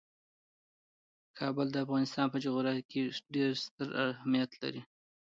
کابل د افغانستان په جغرافیه کې ډیر ستر اهمیت لري.